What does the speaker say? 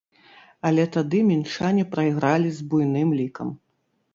Але тады мінчане прайгралі з буйным лікам.